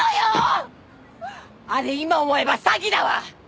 あれ今思えば詐欺だわ。